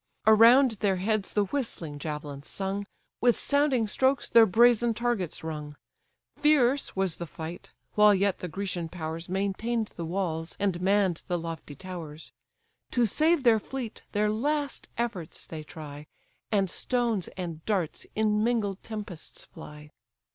Around their heads the whistling javelins sung, With sounding strokes their brazen targets rung; Fierce was the fight, while yet the Grecian powers Maintain'd the walls, and mann'd the lofty towers: To save their fleet their last efforts they try, And stones and darts in mingled tempests fly.